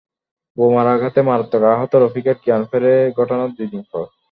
বোমার আঘাতে মারাত্মক আহত রফিকের জ্ঞান ফেরে ঘটনার দুই দিন পর।